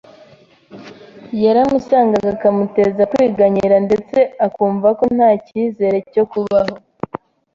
yaramusangaga akamuteza kwiganyira ndetse akumva ko nta kizere cyo kubaho.